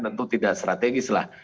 tentu tidak strategis lah